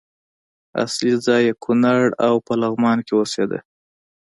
اصلي ځای یې کونړ او په لغمان کې اوسېده.